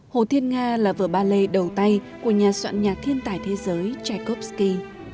hồ thiên nga là vở ba lê đầu tay của nhà soạn nhạc thiên tài thế giới tchaikovsky